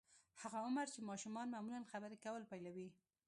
هغه عمر چې ماشومان معمولاً خبرې کول پيلوي.